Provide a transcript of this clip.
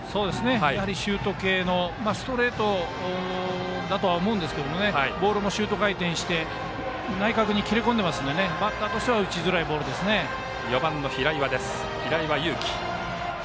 やはりシュート系のストレートだとは思うんですけどボールもシュート回転して内角に切れ込んでいますのでバッターとしてはバッター４番の平岩悠生。